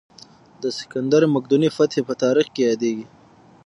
د سکندر مقدوني فتحې په تاریخ کې یادېږي.